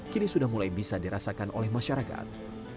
kini sudah mulai bisa dirasakan oleh masyarakat